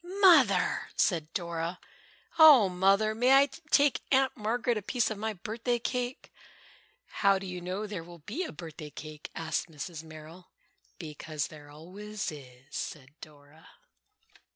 "Mother!" said Dora, "oh, Mother, may I take Aunt Margaret a piece of my birthday cake?" "How do you know there will be a birthday cake?" asked Mrs. Merrill. "Because there always is," said Dora.